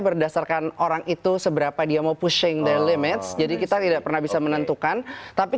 berdasarkan orang itu seberapa dia mau pushing the limits jadi kita tidak pernah bisa menentukan tapi